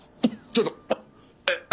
ちょっとえっ？